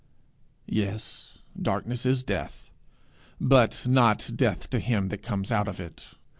Yes; darkness is death, but not death to him that comes out of it.